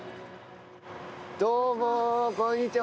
どうも、こんにちは。